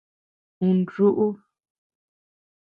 Un rúʼu.